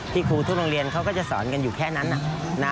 ครูทุกโรงเรียนเขาก็จะสอนกันอยู่แค่นั้น